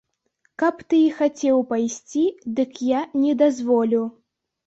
Каб ты і хацеў пайсці, дык я не дазволю.